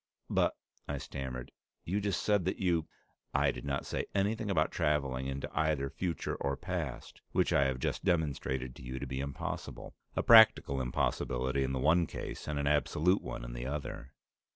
"But," I stammered, "you just said that you " "I did not say anything about traveling into either future or past, which I have just demonstrated to you to be impossible a practical impossibility in the one case and an absolute one in the other."